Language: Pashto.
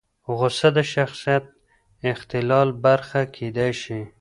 غوسه د شخصیت اختلال برخه کېدای شي.